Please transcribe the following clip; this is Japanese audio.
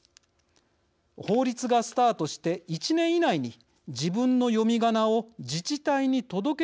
法律がスタートして１年以内に自分の読みがなを自治体に届け出てもらう方針です。